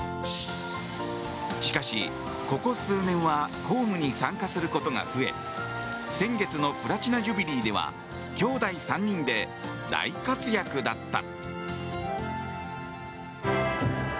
しかし、ここ数年は公務に参加することが増え先月のプラチナ・ジュビリーではきょうだい３人で大活躍だった。